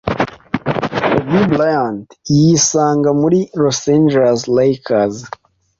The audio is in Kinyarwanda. Kobe Bryant yisanga muri Los Angeles Lakers